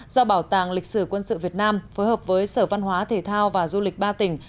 do bảo tàng lịch sử quân sự việt nam phối hợp với sở văn hóa thể thao và du lịch ba tỉnh